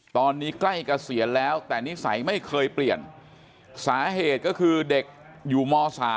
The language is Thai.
ตอนนี้ใกล้เกษียณแล้วแต่นิสัยไม่เคยเปลี่ยนสาเหตุก็คือเด็กอยู่ม๓